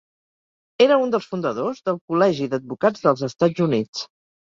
Era un dels fundadors del Col·legi d'Advocats dels Estats Units.